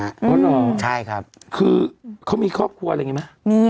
อ๋อเหรอใช่ครับคือเขามีครอบครัวอะไรอย่างนี้ไหม